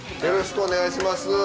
よろしくお願いします。